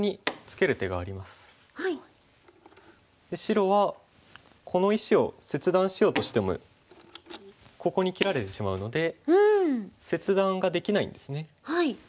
で白はこの石を切断しようとしてもここに切られてしまうので切断ができないんですね。